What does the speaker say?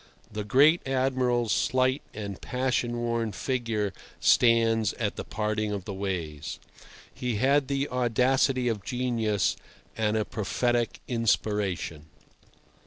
The great Admiral's slight and passion worn figure stands at the parting of the ways. He had the audacity of genius, and a prophetic inspiration.